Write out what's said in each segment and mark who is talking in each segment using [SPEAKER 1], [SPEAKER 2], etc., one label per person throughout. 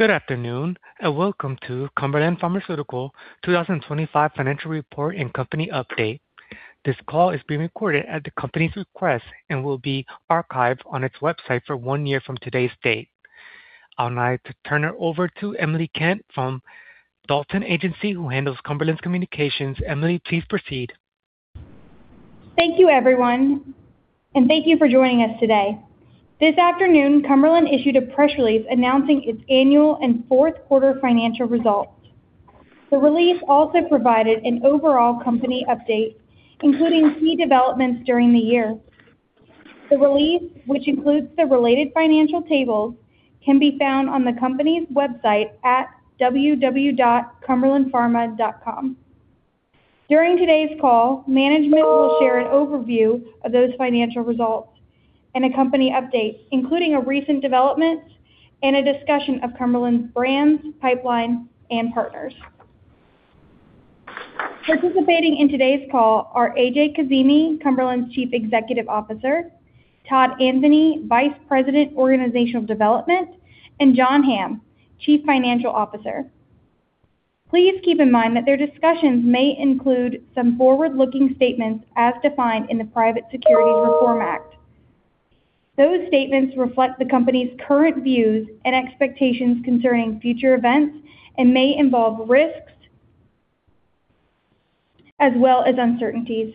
[SPEAKER 1] Good afternoon, welcome to Cumberland Pharmaceuticals 2025 financial report and company update. This call is being recorded at the company's request and will be archived on its website for one year from today's date. I'd like to turn it over to Emily Kent from Dalton Agency, who handles Cumberland's communications. Emily, please proceed.
[SPEAKER 2] Thank you, everyone, and thank you for joining us today. This afternoon, Cumberland issued a press release announcing its annual and fourth quarter financial results. The release also provided an overall company update, including key developments during the year. The release, which includes the related financial tables, can be found on the company's website at www.cumberlandpharma.com. During today's call, management will share an overview of those financial results and a company update, including a recent development and a discussion of Cumberland's brands, pipeline, and partners. Participating in today's call are A.J. Kazimi, Cumberland's Chief Executive Officer, Todd Anthony, Vice President, Organizational Development, and John Hamm, Chief Financial Officer. Please keep in mind that their discussions may include some forward-looking statements as defined in the Private Securities Reform Act. Those statements reflect the company's current views and expectations concerning future events and may involve risks as well as uncertainties.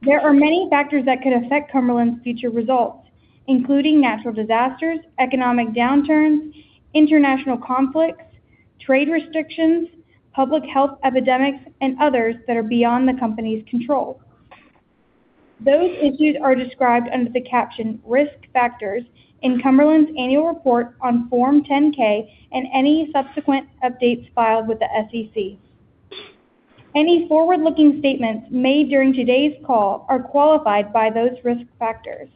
[SPEAKER 2] There are many factors that could affect Cumberland's future results, including natural disasters, economic downturns, international conflicts, trade restrictions, public health epidemics, and others that are beyond the company's control. Those issues are described under the caption Risk Factors in Cumberland's annual report on Form 10-K and any subsequent updates filed with the SEC. Any forward-looking statements made during today's call are qualified by those risk factors.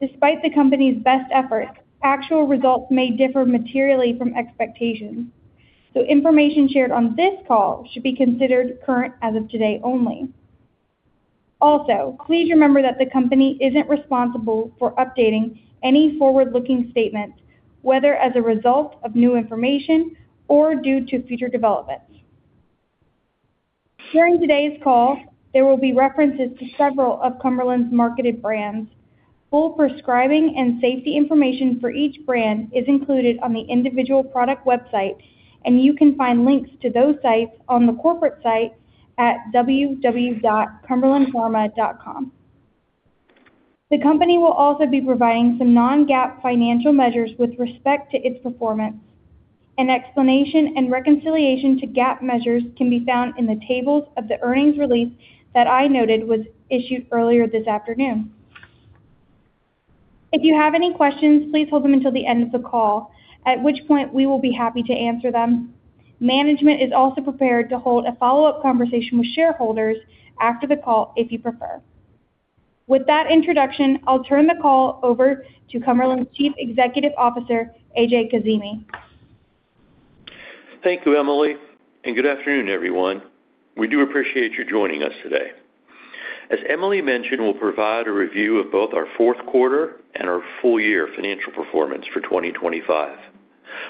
[SPEAKER 2] Despite the company's best efforts, actual results may differ materially from expectations, so information shared on this call should be considered current as of today only. Please remember that the company isn't responsible for updating any forward-looking statements, whether as a result of new information or due to future developments. During today's call, there will be references to several of Cumberland's marketed brands. Full prescribing and safety information for each brand is included on the individual product website, and you can find links to those sites on the corporate site at www.cumberlandpharma.com. The company will also be providing some non-GAAP financial measures with respect to its performance. An explanation and reconciliation to GAAP measures can be found in the tables of the earnings release that I noted was issued earlier this afternoon. If you have any questions, please hold them until the end of the call, at which point we will be happy to answer them. Management is also prepared to hold a follow-up conversation with shareholders after the call if you prefer. With that introduction, I'll turn the call over to Cumberland's Chief Executive Officer, A.J. Kazimi.
[SPEAKER 3] Thank you, Emily. Good afternoon, everyone. We do appreciate you joining us today. As Emily mentioned, we'll provide a review of both our fourth quarter and our full year financial performance for 2025.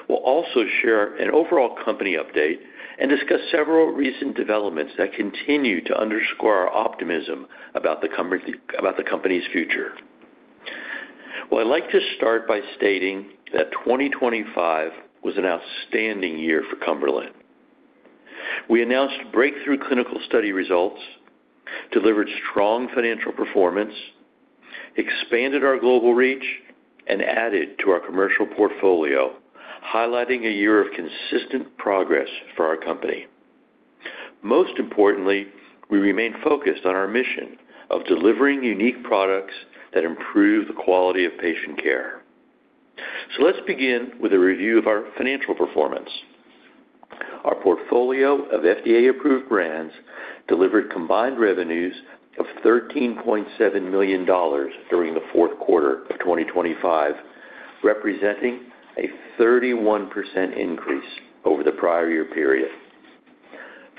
[SPEAKER 3] We'll also share an overall company update and discuss several recent developments that continue to underscore our optimism about the company's future. I'd like to start by stating that 2025 was an outstanding year for Cumberland. We announced breakthrough clinical study results, delivered strong financial performance, expanded our global reach, and added to our commercial portfolio, highlighting a year of consistent progress for our company. Most importantly, we remain focused on our mission of delivering unique products that improve the quality of patient care. Let's begin with a review of our financial performance. Our portfolio of FDA-approved brands delivered combined revenues of $13.7 million during the fourth quarter of 2025, representing a 31% increase over the prior year period.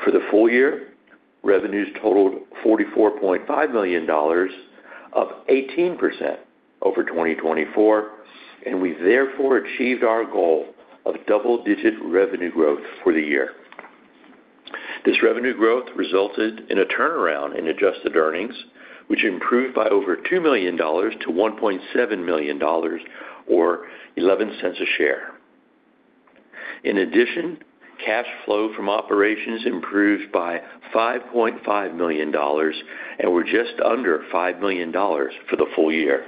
[SPEAKER 3] For the full year, revenues totaled $44.5 million, up 18% over 2024. We therefore achieved our goal of double-digit revenue growth for the year. This revenue growth resulted in a turnaround in adjusted earnings, which improved by over $2 million to $1.7 million or $0.11 a share. In addition, cash flow from operations improved by $5.5 million and were just under $5 million for the full year.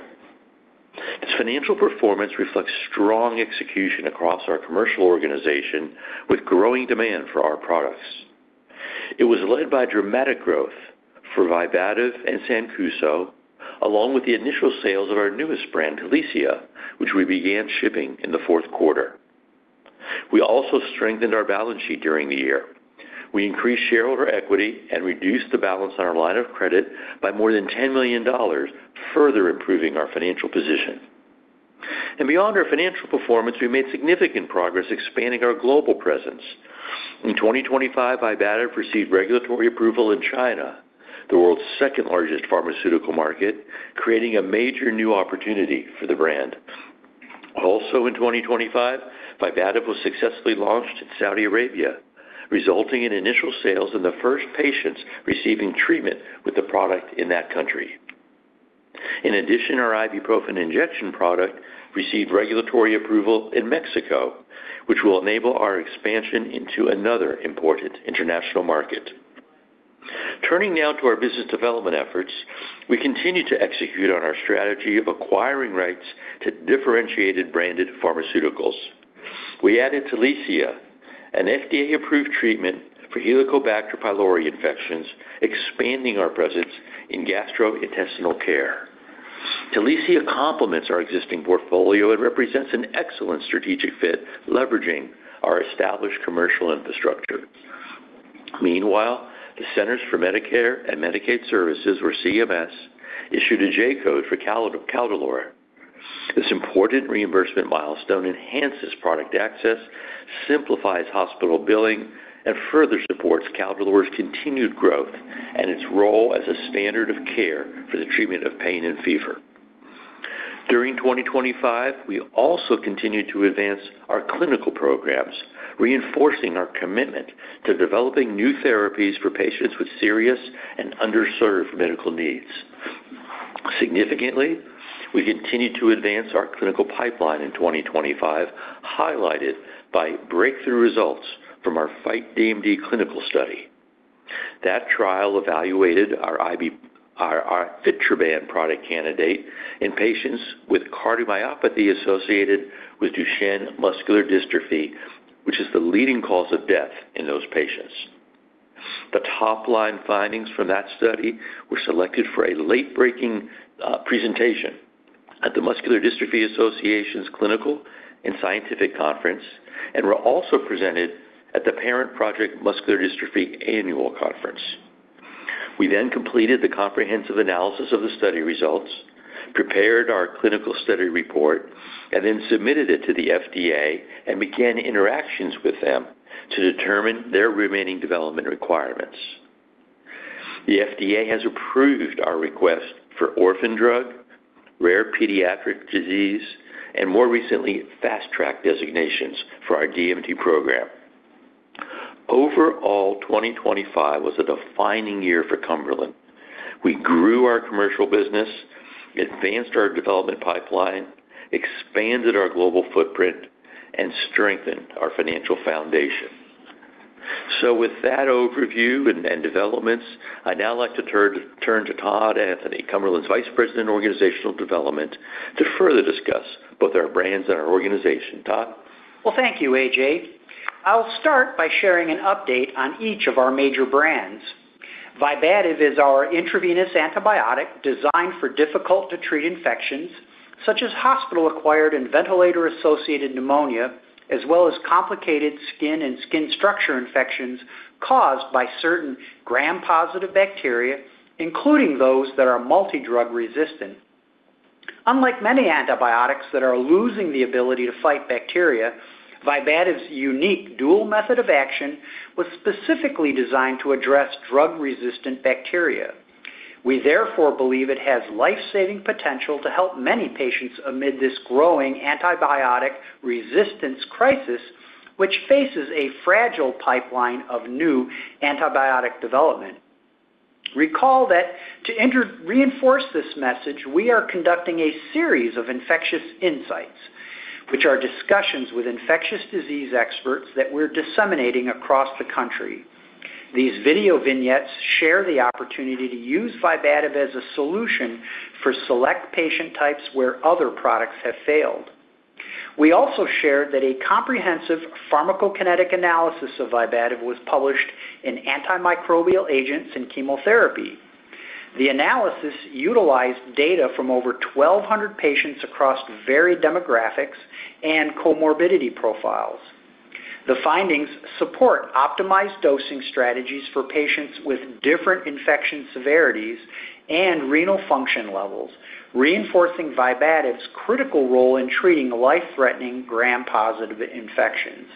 [SPEAKER 3] This financial performance reflects strong execution across our commercial organization with growing demand for our products. It was led by dramatic growth for Vibativ and Sancuso, along with the initial sales of our newest brand, Talicia, which we began shipping in the fourth quarter. We also strengthened our balance sheet during the year. We increased shareholder equity and reduced the balance on our line of credit by more than $10 million, further improving our financial position. Beyond our financial performance, we made significant progress expanding our global presence. In 2025, Vibativ received regulatory approval in China, the world's second-largest pharmaceutical market, creating a major new opportunity for the brand. Also in 2025, Vibativ was successfully launched in Saudi Arabia, resulting in initial sales and the first patients receiving treatment with the product in that country. In addition, our ibuprofen injection product received regulatory approval in Mexico, which will enable our expansion into another important international market. Turning now to our business development efforts, we continue to execute on our strategy of acquiring rights to differentiated branded pharmaceuticals. We added Talicia, an FDA-approved treatment for Helicobacter pylori infections, expanding our presence in gastrointestinal care. Talicia complements our existing portfolio and represents an excellent strategic fit, leveraging our established commercial infrastructure. Meanwhile, the Centers for Medicare & Medicaid Services, or CMS, issued a J-code for Caldolor. This important reimbursement milestone enhances product access, simplifies hospital billing, and further supports Caldolor's continued growth and its role as a standard of care for the treatment of pain and fever. During 2025, we also continued to advance our clinical programs, reinforcing our commitment to developing new therapies for patients with serious and underserved medical needs. Significantly, we continued to advance our clinical pipeline in 2025, highlighted by breakthrough results from our FIGHT DMD clinical study. That trial evaluated our ifetroban product candidate in patients with cardiomyopathy associated with Duchenne muscular dystrophy, which is the leading cause of death in those patients. The top-line findings from that study were selected for a late-breaking presentation at the Muscular Dystrophy Association's Clinical and Scientific Conference and were also presented at the Parent Project Muscular Dystrophy Annual Conference. We completed the comprehensive analysis of the study results, prepared our clinical study report, and then submitted it to the FDA and began interactions with them to determine their remaining development requirements. The FDA has approved our request for Orphan Drug, Rare Pediatric Disease, and more recently, Fast Track designations for our DMD program. Overall, 2025 was a defining year for Cumberland. We grew our commercial business, advanced our development pipeline, expanded our global footprint, and strengthened our financial foundation. With that overview and developments, I'd now like to turn to Todd Anthony, Cumberland's Vice President of Organizational Development, to further discuss both our brands and our organization. Todd?
[SPEAKER 4] Well, thank you, A.J. I'll start by sharing an update on each of our major brands. Vibativ is our intravenous antibiotic designed for difficult-to-treat infections, such as hospital-acquired and ventilator-associated pneumonia, as well as complicated skin and skin structure infections caused by certain Gram-positive bacteria, including those that are multidrug-resistant. Unlike many antibiotics that are losing the ability to fight bacteria, Vibativ's unique dual method of action was specifically designed to address drug-resistant bacteria. We therefore believe it has life-saving potential to help many patients amid this growing antibiotic resistance crisis, which faces a fragile pipeline of new antibiotic development. Recall that to reinforce this message, we are conducting a series of Infectious Insights, which are discussions with infectious disease experts that we're disseminating across the country. These video vignettes share the opportunity to use Vibativ as a solution for select patient types where other products have failed. We also shared that a comprehensive pharmacokinetic analysis of Vibativ was published in Antimicrobial Agents and Chemotherapy. The analysis utilized data from over 1,200 patients across varied demographics and comorbidity profiles. The findings support optimized dosing strategies for patients with different infection severities and renal function levels, reinforcing Vibativ's critical role in treating life-threatening gram-positive infections.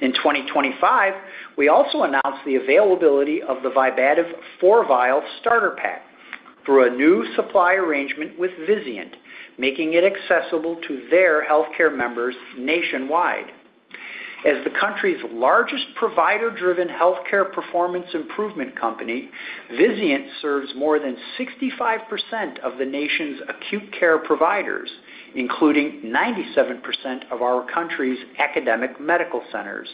[SPEAKER 4] In 2025, we also announced the availability of the Vibativ 4-Vial Starter Pak through a new supply arrangement with Vizient, making it accessible to their healthcare members nationwide. The country's largest provider-driven healthcare performance improvement company, Vizient serves more than 65% of the nation's acute care providers, including 97% of our country's academic medical centers.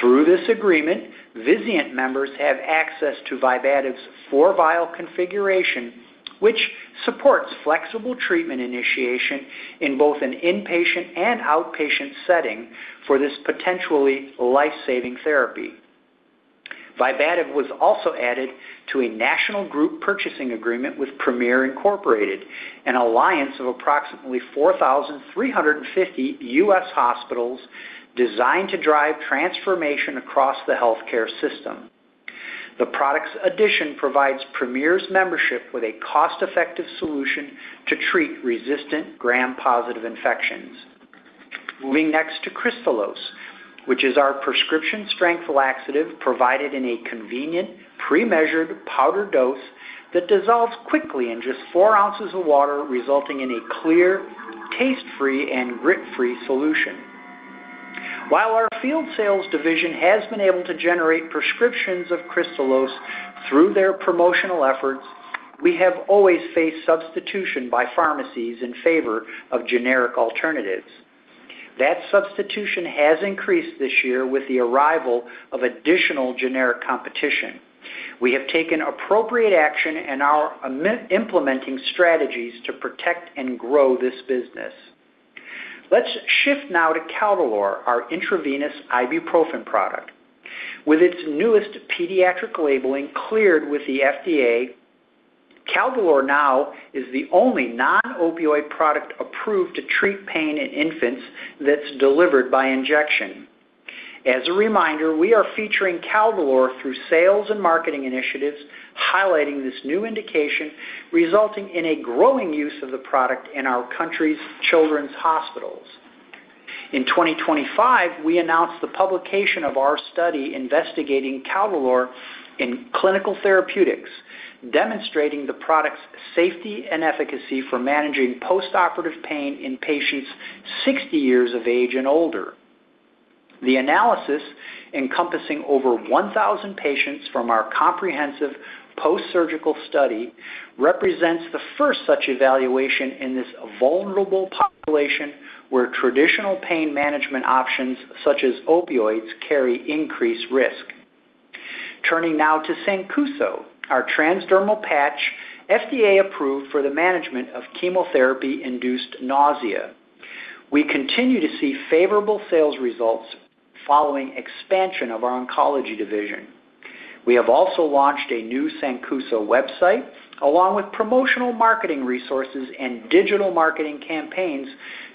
[SPEAKER 4] Through this agreement, Vizient members have access to Vibativ's 4-vial configuration, which supports flexible treatment initiation in both an inpatient and outpatient setting for this potentially life-saving therapy. Vibativ was also added to a national group purchasing agreement with Premier, Inc., an alliance of approximately 4,350 U.S. hospitals designed to drive transformation across the healthcare system. The product's addition provides Premier's membership with a cost-effective solution to treat resistant gram-positive infections. Moving next to Kristalose, which is our prescription strength laxative provided in a convenient pre-measured powder dose that dissolves quickly in just 4 ounces of water, resulting in a clear, taste-free, and grit-free solution. While our field sales division has been able to generate prescriptions of Kristalose through their promotional efforts, we have always faced substitution by pharmacies in favor of generic alternatives. That substitution has increased this year with the arrival of additional generic competition. We have taken appropriate action and are implementing strategies to protect and grow this business. Let's shift now to Caldolor, our intravenous ibuprofen product. With its newest pediatric labeling cleared with the FDA, Caldolor now is the only non-opioid product approved to treat pain in infants that's delivered by injection. As a reminder, we are featuring Caldolor through sales and marketing initiatives highlighting this new indication, resulting in a growing use of the product in our country's children's hospitals. In 2025, we announced the publication of our study investigating Caldolor in Clinical Therapeutics, demonstrating the product's safety and efficacy for managing postoperative pain in patients 60 years of age and older. The analysis, encompassing over 1,000 patients from our comprehensive postsurgical study, represents the first such evaluation in this vulnerable population where traditional pain management options such as opioids carry increased risk. Turning now to Sancuso, our transdermal patch, FDA approved for the management of chemotherapy-induced nausea. We continue to see favorable sales results following expansion of our oncology division. We have also launched a new Sancuso website, along with promotional marketing resources and digital marketing campaigns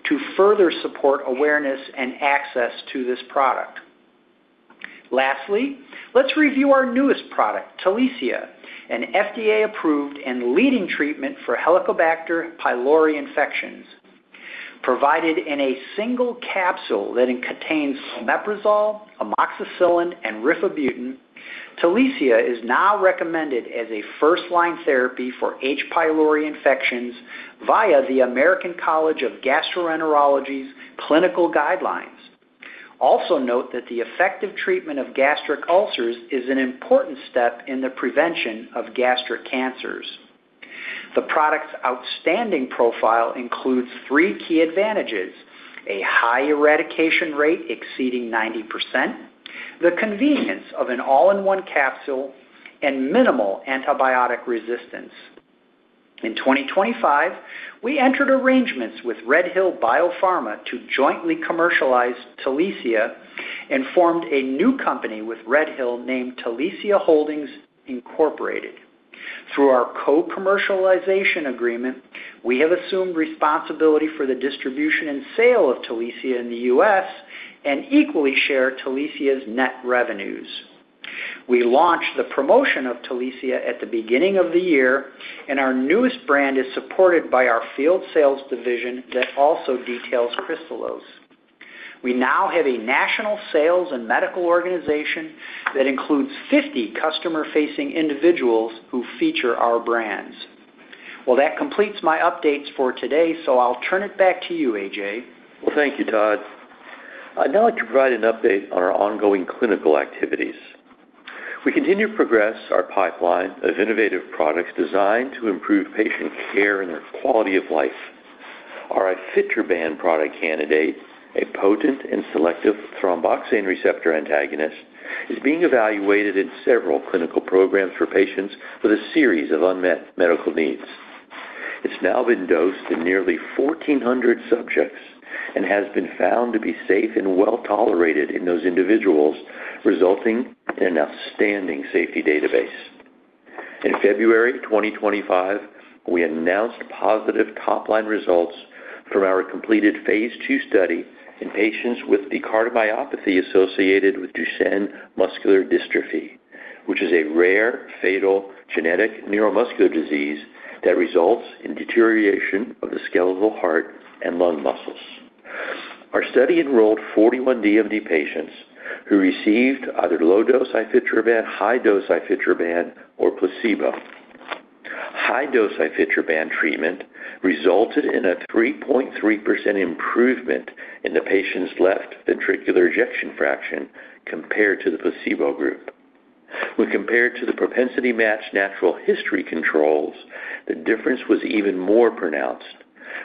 [SPEAKER 4] to further support awareness and access to this product. Lastly, let's review our newest product, Talicia, an FDA-approved and leading treatment for Helicobacter pylori infections. Provided in a single capsule that contains omeprazole, amoxicillin, and rifabutin, Talicia is now recommended as a first-line therapy for H. pylori infections via the American College of Gastroenterology's clinical guidelines. Note that the effective treatment of gastric ulcers is an important step in the prevention of gastric cancers. The product's outstanding profile includes three key advantages: a high eradication rate exceeding 90%, the convenience of an all-in-one capsule, and minimal antibiotic resistance. In 2025, we entered arrangements with RedHill Biopharma to jointly commercialize Talicia and formed a new company with RedHill named Talicia Holdings Inc. Through our co-commercialization agreement, we have assumed responsibility for the distribution and sale of Talicia in the U.S. and equally share Talicia's net revenues. We launched the promotion of Talicia at the beginning of the year, and our newest brand is supported by our field sales division that also details Kristalose. We now have a national sales and medical organization that includes 50 customer-facing individuals who feature our brands. Well, that completes my updates for today, so I'll turn it back to you, A.J.
[SPEAKER 3] Thank you, Todd. I'd now like to provide an update on our ongoing clinical activities. We continue to progress our pipeline of innovative products designed to improve patient care and their quality of life. Our ifetroban product candidate, a potent and selective thromboxane receptor antagonist, is being evaluated in several clinical programs for patients with a series of unmet medical needs. It's now been dosed in nearly 1,400 subjects and has been found to be safe and well-tolerated in those individuals, resulting in an outstanding safety database. In February 2025, we announced positive top-line results from our completed phase II study in patients with the cardiomyopathy associated with Duchenne muscular dystrophy, which is a rare, fatal genetic neuromuscular disease that results in deterioration of the skeletal heart and lung muscles. Our study enrolled 41 DMD patients who received either low dose ifetroban, high dose ifetroban, or placebo. High dose ifetroban treatment resulted in a 3.3% improvement in the patient's left ventricular ejection fraction compared to the placebo group. When compared to the propensity-matched natural history controls, the difference was even more pronounced,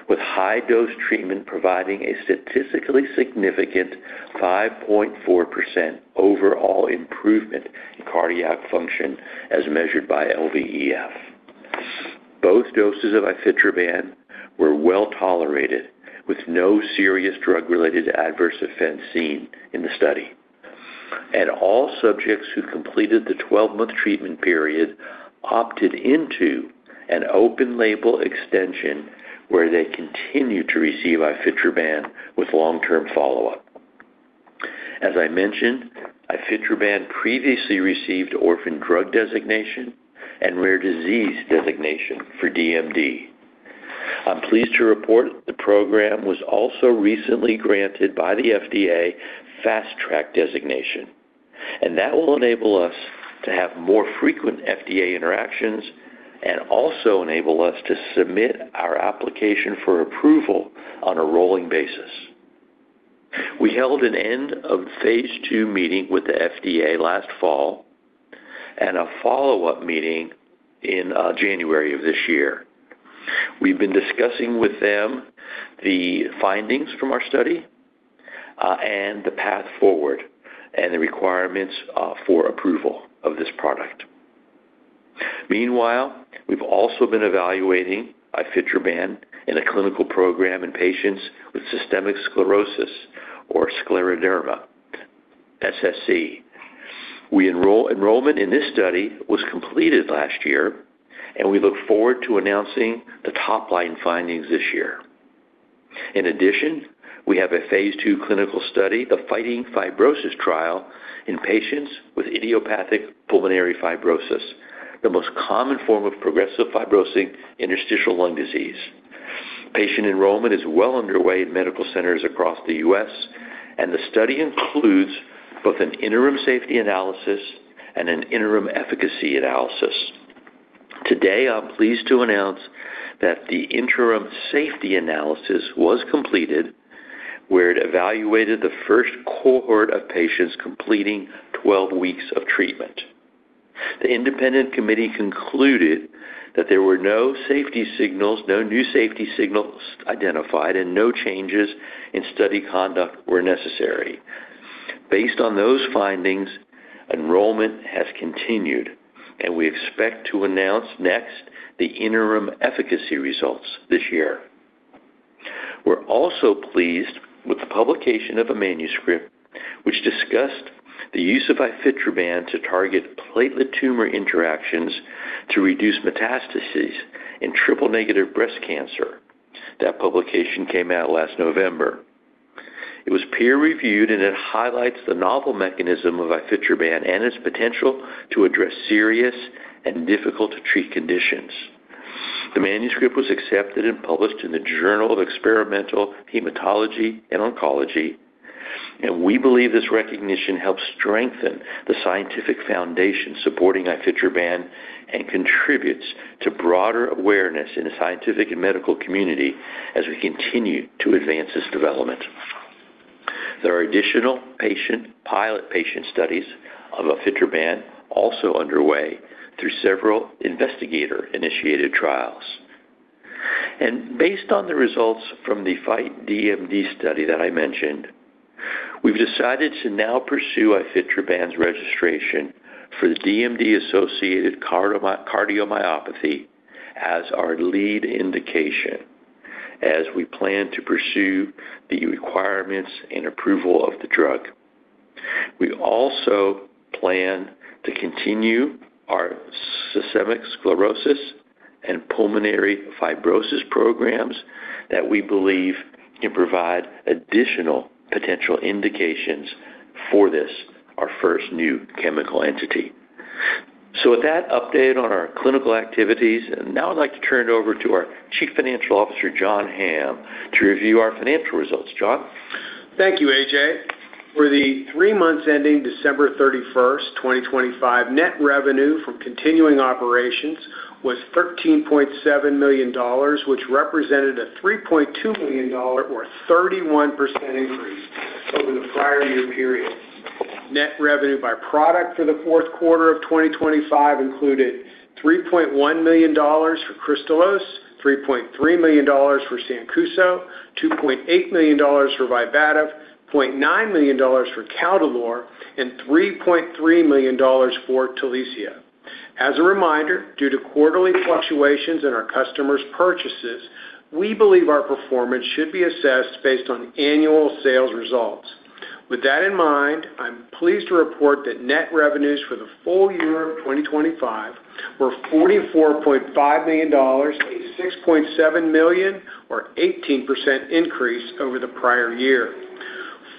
[SPEAKER 3] with high dose treatment providing a statistically significant 5.4% overall improvement in cardiac function as measured by LVEF. Both doses of ifetroban were well-tolerated with no serious drug-related adverse events seen in the study. All subjects who completed the 12-month treatment period opted into an open label extension where they continued to receive ifetroban with long-term follow-up. As I mentioned, ifetroban previously received Orphan Drug Designation and Rare Pediatric Disease Designation for DMD. I'm pleased to report the program was also recently granted by the FDA Fast Track designation, that will enable us to have more frequent FDA interactions and also enable us to submit our application for approval on a rolling basis. We held an end of phase II meeting with the FDA last fall and a follow-up meeting in January of this year. We've been discussing with them the findings from our study and the path forward, and the requirements for approval of this product. Meanwhile, we've also been evaluating ifetroban in a clinical program in patients with systemic sclerosis or scleroderma, SSc. Enrollment in this study was completed last year, and we look forward to announcing the top line findings this year. We have a phase II clinical study, the Fighting Fibrosis trial, in patients with idiopathic pulmonary fibrosis, the most common form of progressive fibrosing interstitial lung disease. Patient enrollment is well underway in medical centers across the U.S., the study includes both an interim safety analysis and an interim efficacy analysis. Today, I'm pleased to announce that the interim safety analysis was completed where it evaluated the first cohort of patients completing 12 weeks of treatment. The independent committee concluded that there were no safety signals, no new safety signals identified, and no changes in study conduct were necessary. Based on those findings, enrollment has continued, and we expect to announce next the interim efficacy results this year. We're also pleased with the publication of a manuscript which discussed the use of ifetroban to target platelet tumor interactions to reduce metastases in triple negative breast cancer. That publication came out last November. It was peer-reviewed, and it highlights the novel mechanism of ifetroban and its potential to address serious and difficult to treat conditions. The manuscript was accepted and published in the journal of Experimental Hematology & Oncology. We believe this recognition helps strengthen the scientific foundation supporting ifetroban and contributes to broader awareness in the scientific and medical community as we continue to advance this development. There are additional pilot patient studies of ifetroban also underway through several investigator-initiated trials. Based on the results from the FIGHT DMD study that I mentioned, we've decided to now pursue ifetroban's registration for the DMD-associated cardiomyopathy as our lead indication as we plan to pursue the requirements and approval of the drug. We also plan to continue our systemic sclerosis and pulmonary fibrosis programs that we believe can provide additional potential indications for this, our first new chemical entity. With that update on our clinical activities, now I'd like to turn it over to our Chief Financial Officer, John Hamm, to review our financial results. John?
[SPEAKER 5] Thank you, A.J. For the three months ending December 31st, 2025, net revenue from continuing operations was $13.7 million, which represented a $3.2 million or 31% increase over the prior year period. Net revenue by product for the fourth quarter of 2025 included $3.1 million for Kristalose, $3.3 million for Sancuso, $2.8 million for Vibativ, $0.9 million for Caldolor, and $3.3 million for Talicia. As a reminder, due to quarterly fluctuations in our customers' purchases, we believe our performance should be assessed based on annual sales results. With that in mind, I'm pleased to report that net revenues for the full year of 2025 were $44.5 million, a $6.7 million or 18% increase over the prior year.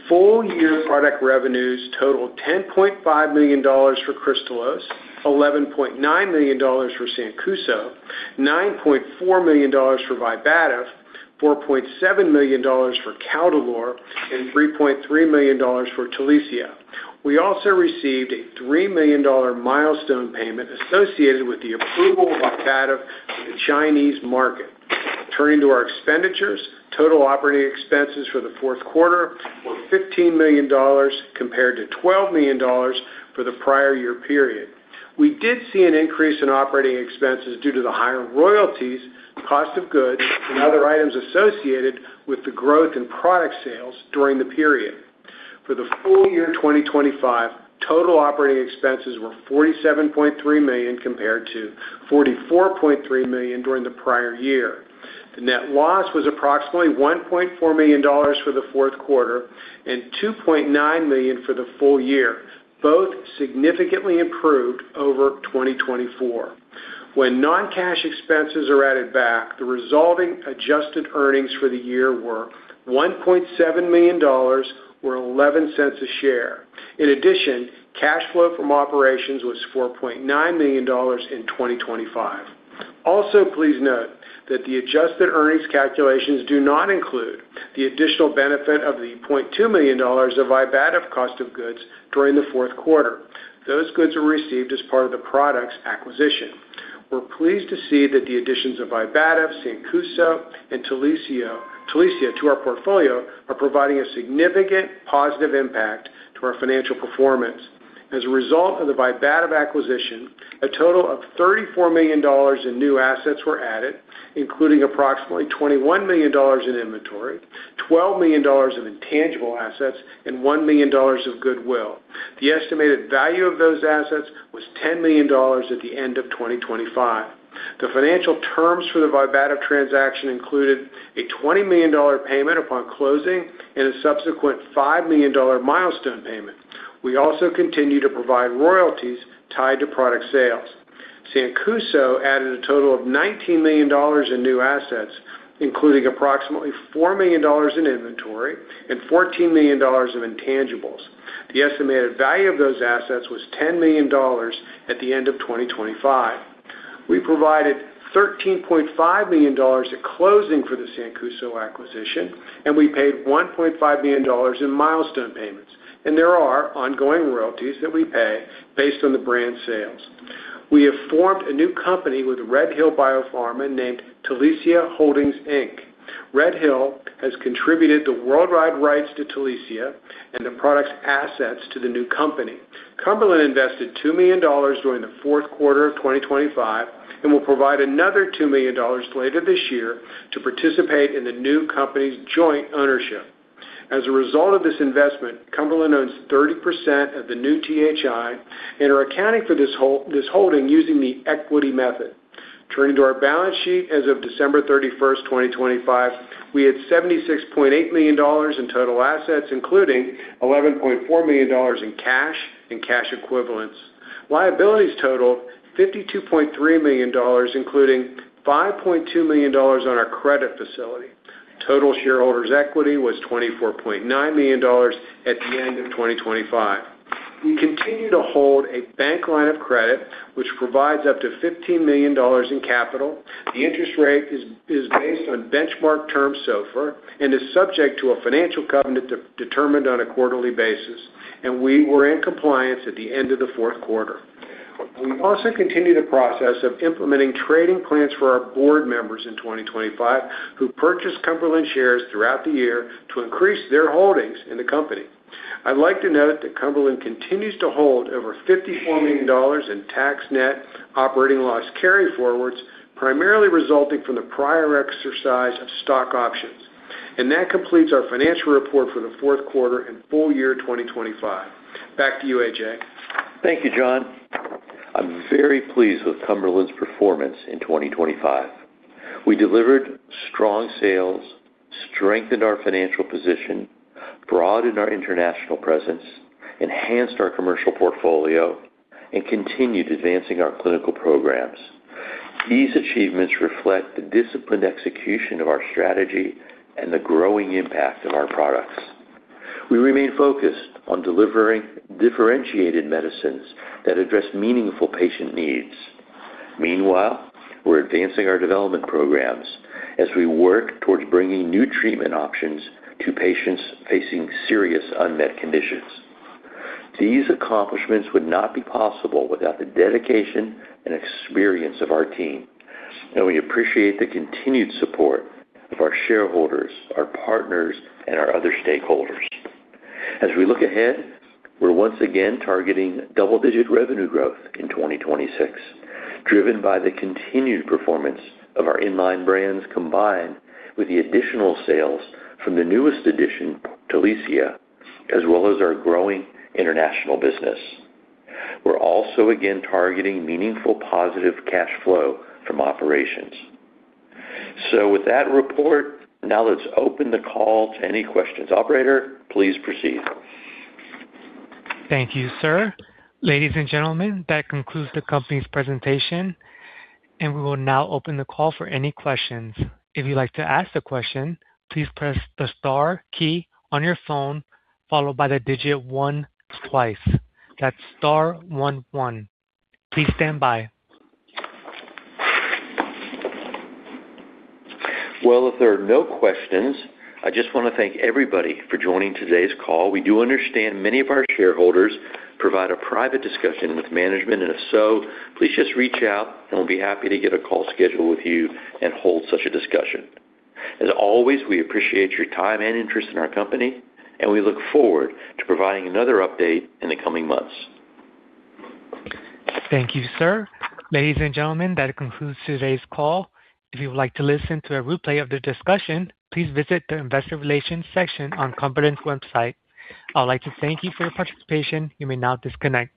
[SPEAKER 5] Full year product revenues totaled $10.5 million for Kristalose, $11.9 million for Sancuso, $9.4 million for Vibativ, $4.7 million for Caldolor, and $3.3 million for Talicia. We also received a $3 million milestone payment associated with the approval of Vibativ in the Chinese market. Turning to our expenditures, total operating expenses for the fourth quarter were $15 million compared to $12 million for the prior year period. We did see an increase in operating expenses due to the higher royalties, cost of goods, and other items associated with the growth in product sales during the period. For the full year 2025, total operating expenses were $47.3 million compared to $44.3 million during the prior year. The net loss was approximately $1.4 million for the fourth quarter and $2.9 million for the full year, both significantly improved over 2024. When non-cash expenses are added back, the resulting adjusted earnings for the year were $1.7 million or $0.11 a share. Cash flow from operations was $4.9 million in 2025. Please note that the adjusted earnings calculations do not include the additional benefit of the $0.2 million of Vibativ cost of goods during the fourth quarter. Those goods were received as part of the products acquisition. We're pleased to see that the additions of Vibativ, Sancuso, and Talicia to our portfolio are providing a significant positive impact to our financial performance. As a result of the Vibativ acquisition, a total of $34 million in new assets were added, including approximately $21 million in inventory, $12 million in intangible assets, and $1 million of goodwill. The estimated value of those assets was $10 million at the end of 2025. The financial terms for the Vibativ transaction included a $20 million payment upon closing and a subsequent $5 million milestone payment. We also continue to provide royalties tied to product sales. Sancuso added a total of $19 million in new assets, including approximately $4 million in inventory and $14 million of intangibles. The estimated value of those assets was $10 million at the end of 2025. We provided $13.5 million at closing for the Sancuso acquisition, and we paid $1.5 million in milestone payments. There are ongoing royalties that we pay based on the brand sales. We have formed a new company with RedHill Biopharma named Talicia Holdings Inc. RedHill has contributed the worldwide rights to Talicia and the product's assets to the new company. Cumberland invested $2 million during the fourth quarter of 2025 and will provide another $2 million later this year to participate in the new company's joint ownership. As a result of this investment, Cumberland owns 30% of the new THI and are accounting for this holding using the equity method. Turning to our balance sheet as of December 31st, 2025, we had $76.8 million in total assets, including $11.4 million in cash and cash equivalents. Liabilities totaled $52.3 million, including $5.2 million on our credit facility. Total shareholders' equity was $24.9 million at the end of 2025. We continue to hold a bank line of credit which provides up to $15 million in capital. The interest rate is based on benchmark term SOFR and is subject to a financial covenant determined on a quarterly basis. We were in compliance at the end of the fourth quarter. We also continued the process of implementing trading plans for our board members in 2025 who purchased Cumberland shares throughout the year to increase their holdings in the company. I'd like to note that Cumberland continues to hold over $54 million in tax net operating loss carryforwards, primarily resulting from the prior exercise of stock options. That completes our financial report for the fourth quarter and full year 2025. Back to you, AJ.
[SPEAKER 3] Thank you, John. I'm very pleased with Cumberland's performance in 2025. We delivered strong sales, strengthened our financial position, broadened our international presence, enhanced our commercial portfolio, and continued advancing our clinical programs. These achievements reflect the disciplined execution of our strategy and the growing impact of our products. We remain focused on delivering differentiated medicines that address meaningful patient needs. Meanwhile, we're advancing our development programs as we work towards bringing new treatment options to patients facing serious unmet conditions. These accomplishments would not be possible without the dedication and experience of our team, and we appreciate the continued support of our shareholders, our partners, and our other stakeholders. As we look ahead, we're once again targeting double-digit revenue growth in 2026, driven by the continued performance of our in-line brands, combined with the additional sales from the newest addition, Talicia, as well as our growing international business. We're also again targeting meaningful positive cash flow from operations. With that report, now let's open the call to any questions. Operator, please proceed.
[SPEAKER 1] Thank you, sir. Ladies and gentlemen, that concludes the company's presentation. We will now open the call for any questions. If you'd like to ask a question, please press the star key on your phone, followed by the digit one twice. That's star one one. Please stand by.
[SPEAKER 3] If there are no questions, I just want to thank everybody for joining today's call. We do understand many of our shareholders provide a private discussion with management, and if so, please just reach out and we'll be happy to get a call scheduled with you and hold such a discussion. As always, we appreciate your time and interest in our company, and we look forward to providing another update in the coming months.
[SPEAKER 1] Thank you, sir. Ladies and gentlemen, that concludes today's call. If you would like to listen to a replay of the discussion, please visit the investor relations section on Cumberland's website. I would like to thank you for your participation. You may now disconnect.